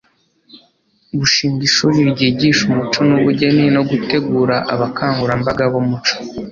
gushinga ishuri ryigisha umuco n'ubugeni no gutegura abakangurambaga b'umuco